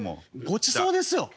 ごちそうですよ